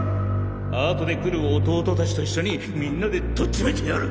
後で来る弟達と一緒にみんなでとっちめてやる！